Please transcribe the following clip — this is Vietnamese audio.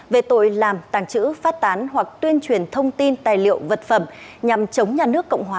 về tội làm tàng trữ phát tán hoặc tuyên truyền thông tin tài liệu vật phẩm nhằm chống nhà nước cộng hòa